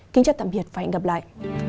kính chào tạm biệt và hẹn gặp lại